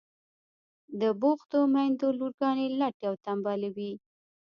د بوختو میندو لورگانې لټې او تنبلې وي.